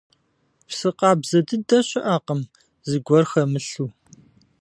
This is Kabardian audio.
Псы къабзэ дыдэ щыӀэкъым, зыгуэр хэмылъу.